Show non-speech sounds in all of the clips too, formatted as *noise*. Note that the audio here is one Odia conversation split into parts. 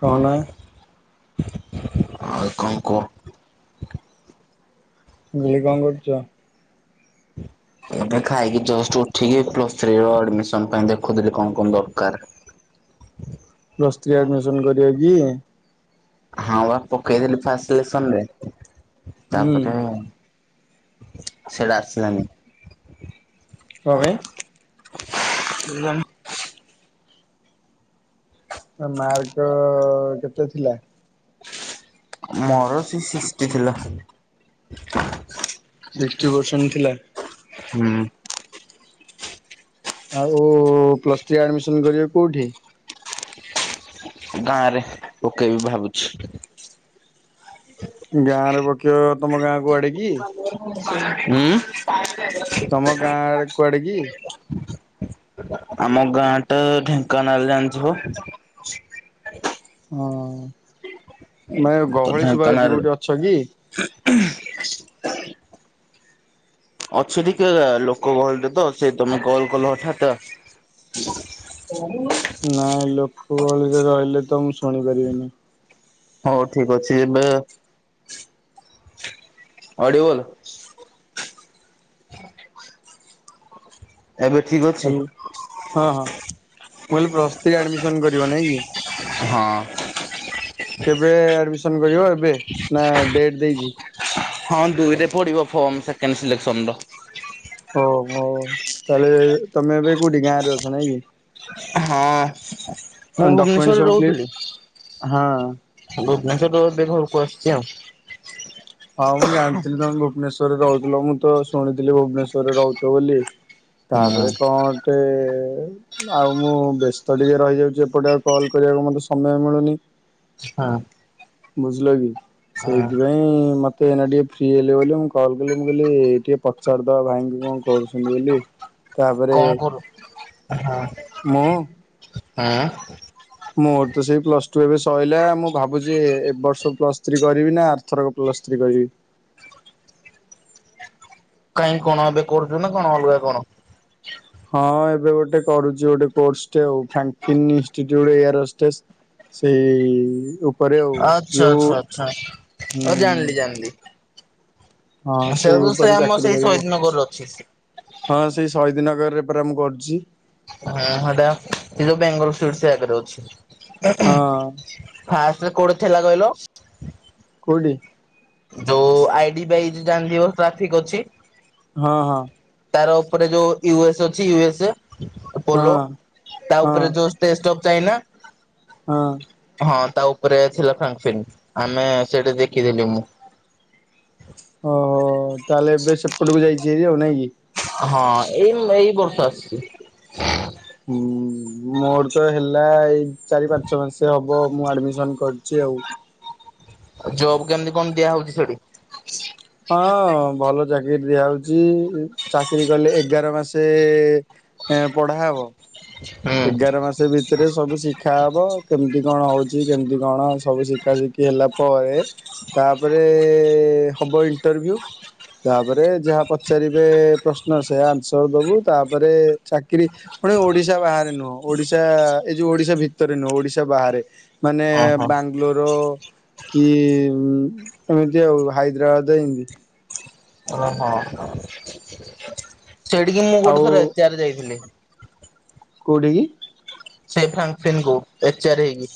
କନା ଆଉ କଣ କୁହ? ଗିଲି କଣ କରୁଛ? ଏବେ ଖାଇକି ଜଷ୍ଟ ଉଠିକି ପ୍ଲସ୍ ଥ୍ରୀ ର ଆଡିମିସ ନ ପାଇଁ ଦେଖୁଥିଲି କଣ କଣ ଦରକାର। ପ୍ଲସ୍ ଥ୍ରୀ ଆଡମିସନ କରିବ କି? ହଁ ବା ପକେଇଦେଲି ଫାଷ୍ଟ ସିଲେସନ ରେ ହୁଁ ତାପରେ ସେଇଟା ଆସିଲାନି। କଣ ପାଇଁ? କେଜାଣି ମାର୍କ କେତେ ଥିଲା? ମୋର ସେ ସିକ୍ସଟି ଥିଲା। ସିକ୍ସିଟି ପରସେଣ୍ଟ ଥିଲା? ହୁଁ। ଆଉ ପ୍ଲସ ଥ୍ରୀ ଆଡମିସନ କରିବେ କୋଉଠି? ଗାଁ ରେ ପକେଇବି ଭାବୁଛି। ଗାଁ ରେ ପକିବ ତମ ଗାଁ କୁ ଆଡିକି ହୁଁ। ତମ ଗାଁ ଆଡେ କୁଆଡେ କି? ଆମ ଗାଁ ଟା ଢେଙ୍କାନାଳ ଜାଣିଥିବ? ହୁଁ। ମାନେ ତ ଗହଳି ଢେଙ୍କାନାଳ ଶୁଭାଉଛି କୋଉଠି ଅଛ କି? *inaudible* ଅଛି ଟିକେ ଲୋକ ଗହଲି ରେ ତ ସେ ତମେ କଲ୍ କଲ ହଠାତ। *inaudible* ନାଇଁ ଲୋକ ଭଳିରେ ରହିଲେ ତ ମୁଁ ଶୁଣି ପାରିବିନି। ହୋଉ ଠିକ ଅଛି ଏବେ ଅଡିଓଲ *inaudible* ଏବେ ଠିକ ଅଛି ହୁଁ ହଁ ହଁ। ମୁଁ କହିଲି ପ୍ଲସ ଥ୍ରି ଆଡମିସନ କରିବ ନାଇଁ କି? ହଁ। କେବେ ଆଡମିସନ କରିବ ଏବେ, ନା ଡେଟ ଦେଇଚି? ହଁ ଦୁଇରେ ପଡିବ ଫର୍ମ ସେକେଣ୍ଡ ସିଲେକ୍ସନର। ଓହୋ ତାହେଲେ ତମେ ଏବେ କୋଉଠି ଗାଁରେ ଅଛ ନାଇଁକି? ହଁ। ମୁଁ ଡକ୍ୟୁମେଣ୍ଟ ଭୁବନେଶ୍ଵରରେ ସବୁ କ୍ଲି ରହୁଥିଲି ହଁ। ଭୁବନେଶ୍ଵରରୁ ଏବେ ଘରକୁ ଆସିଛି ଆଉ। ହଁ ମୁଁ ଜାଣିଥିଲି ତମେ ଭୁବନେଶ୍ଵ ରରେ ରହୁଥିଲ ମୁଁ ତ ଶୁଣିଥିଲି ଭୁବନେଶ୍ଵରରେ ରହୁଛ ବୋଲି, ହୁଁ ତାପରେ କଣ ଟେ ଆଉ ମୁଁ ବ୍ୟସ୍ତ ଟିକେ ରହିଯାଉଛି ଏପଟେ ଆଉ କଲ୍ କରିବାକୁ ମତେ ସମୟ ମିଳୁନି ହଁ। ବୁଝିଲ କି? ହଁ ସେଇଥିପାଇଁ ମତେ ଏଇନା ଟିକେ ଫ୍ରି ହେଲେ ବୋଲି ମୁଁ କଲ କଲି ମୁଁ କହିଲି ଟିକେ ପଚାରିଦବା ଭାଇଙ୍କି କଣ କରୁଛନ୍ତି ବୋଲି? ତାପରେ କଣ କରୁ ହ ମୁଁ ହୁଁ ମୋର ତ ସେଇ ପ୍ଲସ ଟୁ ଏବେ ସଇଲା, ମୁଁ ଭାବୁଛି ଏ ବର୍ଷ ପ୍ଲସ୍ ଥ୍ରୀ କରିବି ନା ଆରଥରକ ପ୍ଲସ୍ ଥ୍ରି କରିବି। କାହିଁ କଣ ଏବେ କରୁଛୁ ନା କଣ ଅଲଗା କଣ? ହଁ ଏବେ ଗୋଟେ କରୁଛି ଗୋଟେ କୋର୍ସ ଟେ ଆଉ ଫ୍ୟାଙ୍କ ଫିନିସଡ ଯୋଉ ଗୋଟେ ଏୟାର ହୋଷ୍ଟେସ୍ ସେଇ ଉପରେ ଆଉ। ଆଚ୍ଛା ଯୋଉ ଆଚ୍ଛା ଆଚ୍ଛା ହଉ ହୁଁ। ଜାଣିଲି ଜାଣିଲି ହଁ ସେଇ ସେଉ ସେ ଉପରେ ଆମ ଚାକିରୀ ସେଇ ଶହୀଦ କରିବୁ। ନଗରରେ ଅଛି। ହଁ ସେଇ ଶହୀଦନଗରରେ ପରା ମୁଁ କରୁଚି। ହଁ ସେଟା ସେ ଯୋଉ ବେଙ୍ଗଲ ସୁଇଟସ ଆଗରେ ଅଛି। ହଁ ସେ କୋଉଠି ଥିଲା କହିଲ? କୋଉଠି? ଯୋଉ ଆଇ ଡି ବାଇଜ୍ ଜାଣିିଥିବ ଟ୍ରାଫିକ ଅଛି ହଁ ହଁ। ତାର ଉପରେ ଯୋଉ ୟୁ ଏସ୍ ଅଛି ୟୁ ଏସ୍ ଏ ପୋଲୋ, ହଁ ତା ହଁ ଉପରେ ଯୋଉ ଟେଷ୍ଟ ଅଫ୍ ଚାଇନା ହଁ। ହଁ ତା ଉପରେ ଥିଲା ଫ୍ରଙ୍କପିନ୍। ଆମେ ସେଠି ଦେଖିଥିଲି ମୁଁ ଓହୋ ତାହେଲେ ଏବେ ସେପଟକୁ ଯାଇଛି ହାରି ଆଉ ନାଇଁ କି? ହଁ ଏଇ ଏଇ ବର୍ଷ ଆସିଛି। ଉମ୍ ମୋର ତ ହେଲା ଏଇ ଚାରି ପାଞ୍ଚ ମାସ ହବ ମୁଁ ଆଡମିସନ କରିଚି *unintelligible* ଜବ କେମିତି କଣ ଦିଆ ହଉଛି ସେଠି? ହଁ ଭଲ ଚାକିରୀ ଦିଆ ହଉଛି। ଚାକିରୀ କଲେ ଏଗାର ମାସେ ପଢା ହବ, ଏଗାର ମାସ ଭିତରେ ସବୁ ଶିଖା ହବ, କେମିତି କଣ ହଉଛି କେମିତି କଣ ସବୁ ଶିଖା ଶିଖି ହେଲା ପରେ ତାପରେ ହବ ଇଣ୍ଟରଭି୍ୟୁ ତାପରେ ଯାହା ପଚାରିବେ ପ୍ରଶ୍ନ ସେ ଆନ୍ସର ଦବୁ ତାପରେ ଚାକିରୀ ଫୁଣି ଓଡିଶା ବାହାରେ ନୁହଁ ଓଡିଶା ଏ ଯୋଉ ଓଡିଶା ଭିତରେ ନୁହଁ ଓଡିଶା ବାହାରେ। ମାନେ ଓହୋ ବାଙ୍ଗଲୋର କି ଏମିତି ଆଉ ହାଇ ଦ୍ରାବାଦ ଏନ୍ତି। *inaudible* ସେଇଠିକି ମୁଁ ଗୋଟେ ଥରେ ଏଚ ଆର୍ ଯାଇଥିଲି। କୋଉଠିକି? ସେଇ ଫ୍ରାଙ୍କଫିନ୍ କୁ ଏଚ ଆର୍ ହେଇକି,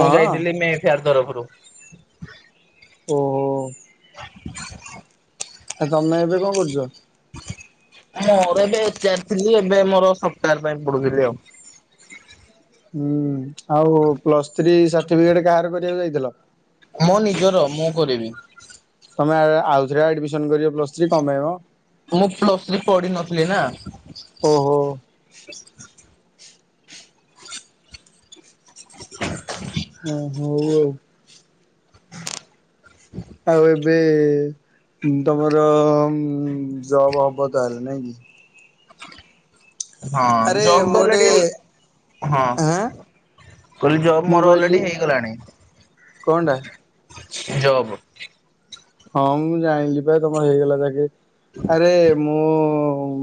ମୁଁ ଯାଇଥିଲି ମେଁ ଫେୟାର ତରଫରୁ। ଓହୋ। ଆ ତମେ ଏବେ କଣ କରୁଚ? ମୋର ଏବେ ଏଚାର ଥିଲି ଏବେ ମୋର ସଫ୍ଟୱେର ପାଇଁ ପଡୁଥିଲି ଆଉ। ହୁଁ ଆଉ ପ୍ଲସ୍ ଥ୍ରୀ ସାଟିଫିକେଟ କାହାର କରିବାକୁ ଯାଇଥିଲ? ମୋ ନିଜର ମୁଁ କରିବି। ତମେ ଆଏ ଆଉଥରେ ଆଡମିସନ କରିବ ପ୍ଲସ ଥ୍ରୀ କଁ ପାଇଁ ମ। ମୁଁ ପ୍ଲସ ଥ୍ରୀ ପଢ଼ି ନଥିଲି ନା। ଓହୋ ହୁଁ ହଉ ଆଉ। ଆଉ ଏବେ? ତମର ଉଁ ଜବ ହବ ତା ହେଲେ ନାଇଁ କି। ହଁ ଆରେ ଜବ ମୁଁ ଗୋଟେ ଅଲେଡିଲ ହଁ। ଆଁ କହିଲି ଜବ ମୁଁ ମୋର କହିଲି ଅଲରେଡି ହେଇ ଗଲାଣି। କଣ ଟା? ଜବ। ହଁ ମୁଁ ଯାଇଁଲି ବା ତମର ହେଇଗଲା ଚାକିରି ଆରେ ମୁଁ।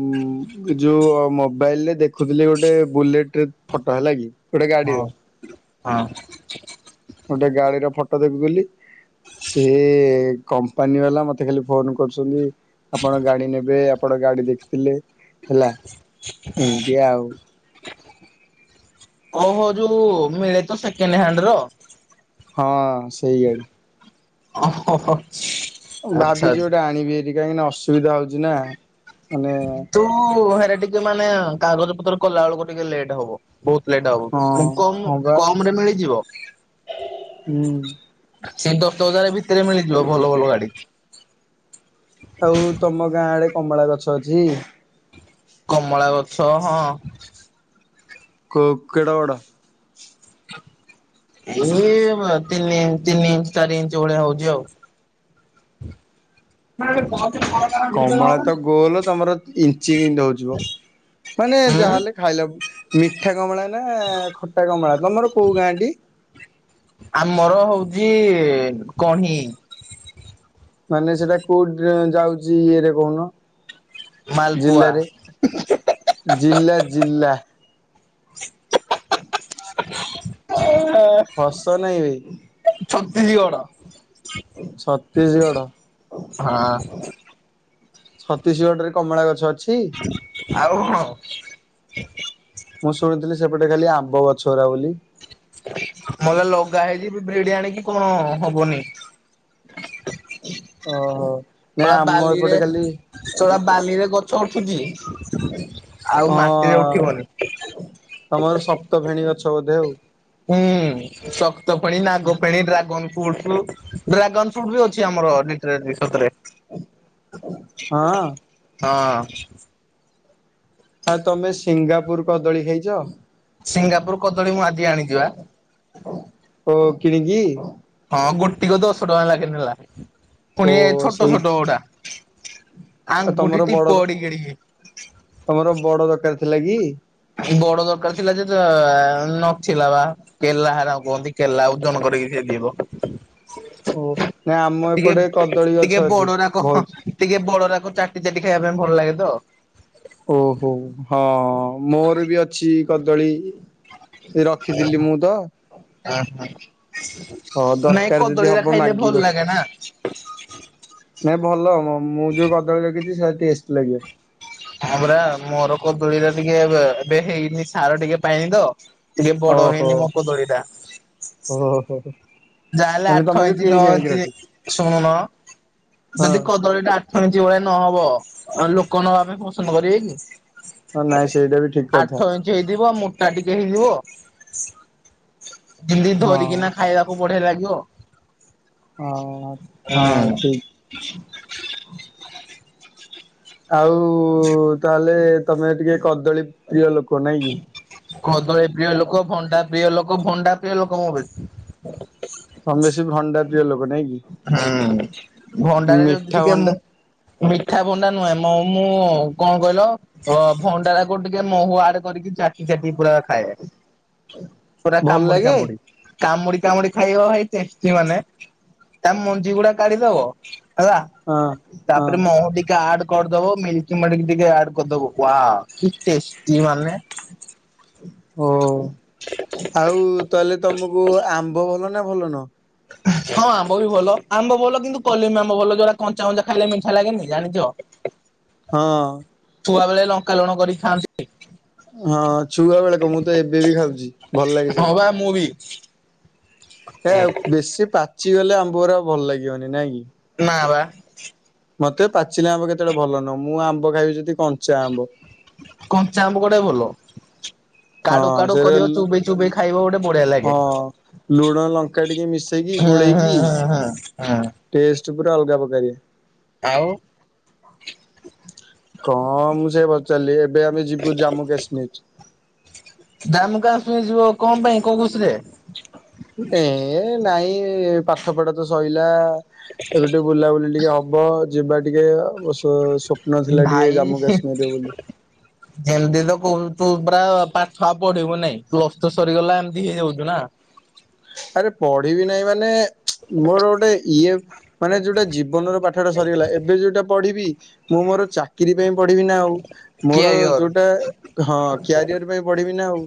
ମୁ ଯୋଉ ମୋବାଇଲରେ ଦେଖୁଥିଲି ଗୋଟେ ବୁଲେଟ ଫଟ ହେଲା କି। ଗୁଟା ହଁ ଗାଡ଼ିର। ହଁ। ଗୋଟେ ଗାଡିର ଫଟ ଦେଖୁ ଥିଲି। ସିଏ କମ୍ପାନୀ ବାଲା ମତେ ଖାଲି ଫୋନ କରୁଛନ୍ତି ଆପଣ ଗାଡି ନେବେ ଆପଣ। ଗାଡି ଦେଖିଥିଲେ ହେଲା ଏନ୍ତିଆ ଆଉ। ଓ ହୋ ଯୋଉ ମିଳେ ତ ସେକେଣ୍ଡ ହ୍ୟାଣ୍ଡ ର। ହଁ ସେଇ ଗାଡି। ଓ ହୋ ହୋ। ଭାବିଛି ଗୋଟେ ଆଣିବି ହାରି କାହିଁକିନା ଅସୁବିଧା ହଉଛି ନା। ମାନେ ତୁ ହେରେ ଟିକେ ମାନେ କାଗଜ ପତ୍ର କଲା ବେଳକୁ ଟିକେ ଲେଟ୍ ହବ। ବହୁତ ଲେଟ ହବ ହଁ ମୁଁ କମୁ ହଁ ବା କମ ରେ ମିଳିଯିବ। ହୁଁ ସେଇ ଦଶ ହଜାର ଭିତରେ ମିଳିଯିବ ଭଲ ଭଲ ଗାଡି। ଆଉ ତମ ଗାଁ ଆଡେ କମଳା ଗଛ ଅଛି। କମଳା ଗଛ ହଁ। କୋଉ କେଡ଼େ ବଡ। ଏଇ ବା ତିନି ଇନ୍ ତିନି ଇଞ୍ଚ ଚାରି ଇଞ୍ଚ ଭଳିଆ ହଉଛି ଆଉ। ବା କମଳା ତ ଗୋଲ ତମର ଇଞ୍ଚି କିଁତି ହଉଚିମ। ମାନେ ଯାହା ହେଲେ ଖାଇଲା ମିଠା କମଳା ନା ଖଟା କମଳା। ତମର କୋଉ ଗାଁ ଟି। କି କହିଁ। ମାନେ ସେଟା କୋଉଠି ଯାଉଛି ଇଏରେ କହୁନ। ମଲପୁଆ। ଜିଲ୍ଲାରେ? ଜିଲ୍ଲା ଜିଲ୍ଲା। ହସ ନାଇଁ ବେ। ଛତିସି ଗଡ। ଛତିଶଗଡ। ହଁ। ଛତିସି ଗଡ ରେ କମଳା ଗଛ ଅଛ ଆଉ ହଁ। ମୁଁ ଶୁଣିଥିଲି ସେପଟେ ଖାଲି ଆମ୍ବ ଗଛ ଗୁରା ବୋଲି। ମଲେ ଲଗା ହେଇଛି ଭିଡି ଆଣିକି କଁ ହବନି। ଓ ହୋ। ଶଳା ବାଲିରେ ଶଳା ବାଲିରେ ଗଛ ଉୁଠୁଛି। ଆଉ ମାଟିରେ ହଁ ଉଠିବନି। ତମର ସପ୍ତ ଫେଣୀ ଗଛ ବୋଧେ ଆଉ। ହୁଁ ଶକ୍ତ ଫେଣି ନାଗ ଫେଣି ଡ୍ରାଗନ‌। ଫୁଟ ଡ୍ରାଗନ ଫ୍ରୁଟ ବି ଅଛି ଆମର ଲିଟେରାଲି ସତରେ। ହଁ। ହଁ। ହଁ ତମେ ସିଙ୍ଗାପୁର କଦଳୀ ଖାଇଛ। ସିଙ୍ଗାପୁର କଦଳୀ ମୁଁ ଆଜିି ଆଣିଯିବା। ଓ କିଣିଙ୍ଗି। ହଁ ଗୋଟିକ ଦଶ ଟଙ୍କା ଲାଗି ନେଲା ଓ ପୁଣି ଛୋଟ ଛୋଟ ଗୋଟା। ଆଉ ତମର ବଡ଼ ଗଡିକି ଗଡିକି ତମର ବଡ଼ ଦରକାର ଥିଲା କି। ଏଇ ବଡ଼ ଦରକାର ଥିଲା ଯେ ଯ, ଆ ନଥିଲା ବା କେଲା ହାର କୁହନ୍ତି କେଲା ଓଜନ କରିକି ସେ ଯିବ। ଓ ନାଇ ଆମ ଟିକେ ଏପଟେ କଦଳୀ ଟିକେ ଗଛ ଅଛି ବଡରାକ ବହୁତ୍। ଟିକେ ବଡ଼ରାକ ଚାଟି ଚାଟି ଖାଇବା ପାଇଁ ଭଲ ଲାଗେ ତ। ଓହୋ ହଁ ମୋର ବି ଅଛି କଦଳୀ। ଏ ରଖିଥିଲି ମୁଁ ତ ଓହୋ ହଁ ନାଇଁ ଦରକାର ଯଦି କଦଳୀ ଅରା ହବ ଖାଇଲେ ମାଗିବ। ଭଲ ଲାଗେ ନା। *unintelligible* ନାଇଁ ଟେଷ୍ଟେ ଲାଗେ। ଆମରା ମୋର କଦଳୀ ରେ ଟିକେ ଏବେ ହେଇନି ସାର ଟିକେ ପାଇନି ତ। ଟିକେ ବଡ଼ ଓହୋ ହେଇନି ମୋ କଦଳୀ ଟା। ଓହୋ। ଯାହାହେଲେ ମାନେ ଆଠ ତମେ ଯୋଉ ଇଞ୍ଚି ନଅ କିଣିକି ଆଣିକି ଇଞ୍ଚି ରଖିଛ। ଶୁଣୁନ ହଁ ଯଦି କଦଳୀ ଟା ଆଠ ଇଞ୍ଚି ଭଳିଆ ନହବ ଲୋକ ନବାପାଇଁ ପସନ୍ଦ କରିବେ କି। ହଁ ନାଇଁ ସେଇଟା ବି ଠିକ ଆଠ କଥା। ଇଞ୍ଚି ହେଇଥିବ ମୋଟା ଟିକେ ହେଇଥିବ। ଯେମିତି ହଁ ଧରିକିନା ଖାଇବାକୁ ବଢିଆ ଲାଗିବ। ଅ, ଅ, ହଁ ହୁଁ। ଠିକ୍। ଆଉ ତାହେଲେ ତମେ ଟିକେ କଦଳୀ ପ୍ରିୟ ଲୋକ ନାଇଁ କି। କଦଳୀ ପ୍ରିୟ ଲୋକ ଭଣ୍ଡା ପ୍ରିୟ ଲୋକ ଭଣ୍ଡା ପ୍ରିୟ ଲୋକ ମୁଁ ବେଶୀ। ତମେ ବେଶୀ ଭଣ୍ଡା ପ୍ରିୟ ଲୋକ ନାଇଁକି। ହୁଁ ଭଣ୍ଡାରରେ ଯଦି ମିଠା ଟିକେ ମ ଭଣ୍ଡା ମିଠା ଭଣ୍ଡା ନୁହେଁ ମ ମୁଁ କଣ କହିଲ ଅ ଭଣ୍ଡାଟାକୁ ଟିକେ ମହୁ ଆଡ଼େ କରିକି ଚାଟି ଚାଟି ପୁରା ଖାଏ। ପୁରା ଭଲ କାମୁଡ଼ି ଲାଗେ? କାମୁଡ଼ି କାମୁଡ଼ି କାମୁଡ଼ି ଖାଇବ ଭାଇ ଟେଷ୍ଟି ମାନେ ତା ମଞ୍ଜି ଗୁଡ଼ା କାଢିଦବ ହେଲା ହଁ ହଁ। ତାପରେ ମହୁ ଟିକେ ଆଡ଼ କରିଦବ ମିନ୍କି ମାଡ଼ିକ୍ ଟିକେ ଆଡ଼ କରିଦବ ବ କି ଟେଷ୍ଟି ମାନେ ହ ଆଉ ତାହେଲେ ତମକୁ ଆମ୍ବ ଭଲ ନା ଭଲ ନୁହଁ। ହଁ ଆମ୍ବ ବି ଭଲ ଆମ୍ବ ଭଲ କିନ୍ତୁ କଲିମ ଆମ୍ବ ଭଲ ଯୋଉରା କଞ୍ଚା କଞ୍ଚା ଖାଇଲେ ମିଠା ଲାଗେନି ଜାଣିଚ। *unintelligible* ହଁ। ଛୁଆ ବେଳେ ଲଙ୍କା ଲୁଣ କରି ଖାଆନ୍ତି। ହଁ ଛୁଆ ବେଳେ କଣ ମୁଁ ତ ଏବେ ବି ଖାଉଚି ଭଲ ଲାଗେ ହଁ ସେଇରା। ବା ମୁଁ ବି ହେ ଆଉ ବେଶୀ ପାଚିଗଲେ ଆମ୍ବ ଅରା ଆଉ ଭଲ ଲାଗିବନି ନାଇଁ କି। ନାବା ମତେ ପାଚିଲା ଆମ୍ବ କେତେବେଳେ ଭଲ ନୁହଁ ମୁଁ ଆମ୍ବ ଖାଇବି ଯଦି କଞ୍ଚା ଆମ୍ବ। କଞ୍ଚା ଆମ୍ବ ଗୋଡ଼ା ଭଲ ହଁ କାଡ଼ୁ କାଡ଼ୁ ସେରେ କରିବ ଚୋବେଇ ଚୋବେଇ ଖାଇବ ଗୋଟେ ବଢିଆ ଲାଗେ ହଁ ଲୁଣ ଲଙ୍କା ଟିକେ ମିଶେଇକି ହୁଁ ହୁଁ ଗୋଳେଇକି ହୁଁ ହୁଁ ହୁଁ। ଟେଷ୍ଟେ ଚ ପୁରା ଅଲଗା ପକାରିଆ ଆଉ। କଣ ମୁଁ ସେ ପଚାରିଲି ଏବେ ଆମେ ଯିବୁ ଜାମ୍ମୁ କାଶ୍ମୀର। ଜାମ୍ମୁକାଶ୍ମୀର ଯିବ କଣ ପାଇଁ କୋଉ କୋଉ ଏ ନାଇଁ ପାଠ ପଢା ତ ସଇଲା ଏବେ ଟିକେ ବୁଲାବୁଲି ଟିକେ ହବ ଯିବା ଟିକେ ଓସ ଭାଇ ହୁ ଯେମତି ତ କହୁ ତୁ ପୁରା ପାଠ ଆଉ ପଢିବୁ ନାଇଁ ପ୍ଲସ୍ ଟୁ ସରିଗଲା ଏମିତି ହେଇଯାଉଛୁ ନା। ଆରେ ପଢିବି ନାହିଁ ମାନେ ମୋର ଗୋଟେ ଇଏ। ମାନେ ଯୋଉଟା ଜୀବନର ପାଠଟା ସରିଗଲା ଏବେ ଯୋଉଟା ପଢ଼ିବି ମୁଁ ମୋର ଚାକିରି ପାଇଁ। ପଢିବି ନା ଆଉ ମୋର କ୍ୟାରିଅର ଯୋଉଟା ହଁ କ୍ୟାରିଅର ପାଇଁ ପଢିବି ନା ଆଉ।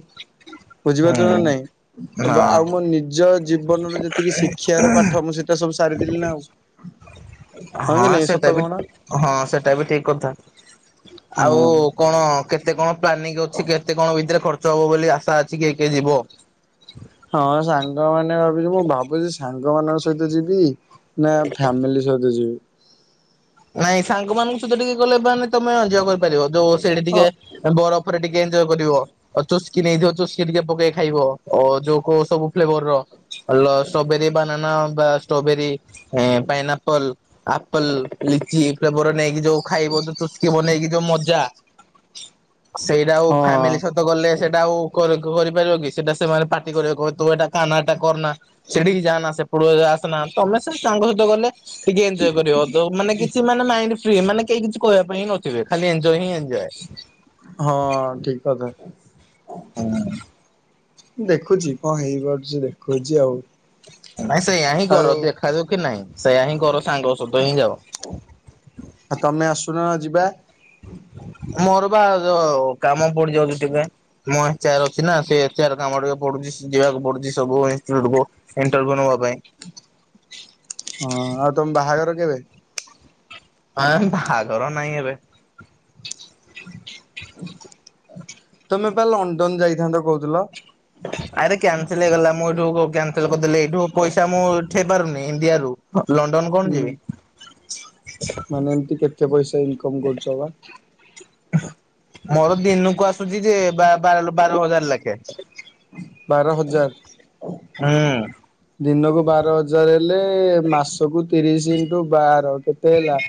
ବୁଝିପାରୁଛ ନା ହୁଁ ନାଇଁ ହଁ ବା ଆଉ ମୋ ନିଜ। ଜୀବନର ଯେତିକି ଶିକ୍ଷାର ପାଠ ମୁଁ ସେଟା ସବୁ ସାରିଦେଲି ନା ଆଉ। ହଁ କି ନାଇଁ ସତ ସେଟା ବି କହୁନ ହଁ ସେଟା ବି ଠିକ କଥା। ଆଉ ହଁ କଣ କେତେ କଣ ପ୍ଲାନିଂ ଅଛି କେତେ କଣ ଭିତରେ ଖ ତ ହବ ବୋଲି ଆଶା ଅଛି କିଏ କିଏ ଯିବ। ହଁ ସାଙ୍ଗ ମାନେ ଭାବିଛୁ ମୁଁ ଭାବୁଛି ସାଙ୍ଗ ମାନଙ୍କ ସହିତ ଯିବି। ନା ଫ୍ୟାମିଲି ସହିତ ଯିବି। ନାଇଁ ସାଙ୍ଗ ମାନଙ୍କ ସହିତ ଟିକେ ଗଲେ ମାନେ ତମେ ଏଞ୍ଜୋୟ୍ କରିପାରିବ ଯୋଉ ସେଇଠି ଟିକେ ହଁ ଅ ବରଫରେ ଟିକେ ଏଞ୍ଜୋୟ୍ କରିବ। ଆଉ ଚୋସ୍କି ନେଇଥିବ ଚୁସ୍କି ଟିକେ ପକେଇ ଖାଇବ ଅ ଯୋଉ କଉ ସବୁ ଫ୍ଲେଭରର। ଲ ଷ୍ଟ୍ରବେରୀ ବନାନା ବା ଷ୍ଟ୍ରବେରୀ ଏଁ ପାଇନାପଲ ଆପଲ। ଲିଚି ଫ୍ଲେଭର ନେଇକି ଯୋଉ ଖାଇବ ଯୋଉ ଚୁସ୍କି ବନେଇକି ଯୋଉ ମଜା। ସେଇଟା ଆଉ ଫ୍ୟାମିଲି ହଁ ସହିତ ଗଲେ ସେଇଟା ଆଉ କ କଉ କରିପାରିବ କି ସେଟା ସେମାନେ ପାଟି କରୀବେ କହିବେ ତୁ ଏଟା ଖାନା ଏଟା କରନା ସେଠିକି ଯାନା ସେ କଉଠୁ ଏ ଆସୁନାହାନ୍ତି ତମେ ସେ ସାଙ୍ଗ ସହିତ ଗଲେ ଟିକେ ଏଞ୍ଜୋୟ୍ କରିବ ତ ମାନେ କିଛି ମାନେ ମାଇଣ୍ଡ ଏମାନେ କେହି କିଛି କହିବା ପାଇଁଁ ନଥିବେ ଖାଲି ଏଞ୍ଜୋଏ ହିଁ ଏଞ୍ଜୋଏ। ହଁ ଠିକ କଥା। ହୁଁ। ଦେଖୁଛି କଣ ହେଇପାରୁଛି ଦେଖୁଛି ଆଉ। ନାଇଁ ସେଇୟା ହିଁ ଆଉ କର ଦେଖା ଦୁଖି କି ନାଇଁ ସେଇୟା ହିଁ କର ସାଙ୍ଗ ସହିତ ହିଁ ଯାଅ। ଆଉ ତମେ ଆସୁନ ଯିବା। ମୋର ବା ଯୋଉ କାମ ପଡିଯାଉଛି ଟିକେ ମୁଁ ଏଚ ଆର ଅଛି ନା ସେ ଏଚ ଆର କାମ ଟିକେ ପଡୁଛି। ଯିବାକୁ ପଡୁଛି ସବୁ ଇନ୍ସଟ୍ଯୁଟ କୁ ଇଣ୍ଟରଭିୟୁ ନବା ପାଇଁ। ହଁ ଆଉ ତମ ବାହାଘର କେବେ? ଏଁ ବାହାଘର ନାହିଁ ଏବେ। ତମେ ପା ଲଣ୍ଡନ ଯାଇଥାନ୍ତ କହୁଥିଲ? ଆରେ କ୍ୟାନସଲ ହେଇଗଲା ମୁଁ ଏଇଠୁ କ-କ୍ୟାନସଲ କରିଦେଲି ଏଇଠୁ ପଇସା ମୁଁ ଉଠେଇ ପାରୁନି ଇଣ୍ଡିଆରୁ। ଲଣ୍ଡନ କଣ ହୁଁ ଯିବି। ମାନେ ଏମିତି କେତେ ପଇସା ଇନକମ୍ କରୁଛ ବା? ମୋର ଦିନକୁ ଆସୁଛି ଯେ ବା-ବାର ବାର ଲ ବାର ହଜାର ଲେଖେ। ବାର ହଜାର। ହୁଁ। ଦିନକୁ ବାର ହଜାର ହେଲେ ମାସ କୁ ତିରିଶ ଇନଟୁ ବାର। କେତେ ହେଲା?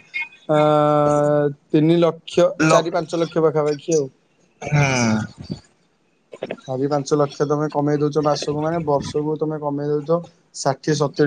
ଅଁ ତିନି ଲକ୍ଷ ଲ ଚାରି ପାଞ୍ଚ ଲକ୍ଷ ପାଖାପାଖି ଆଉ। ହୁଁ। ଚାରି ପାଞ୍ଚ ଲକ୍ଷ ତମେ କମେଇ ଦଉଛ ମାସକୁ ମାନେ ବର୍ଷକୁ ତମେ। କମେଇ ଦଉଚ ଷାଠିଏ ସତୁରି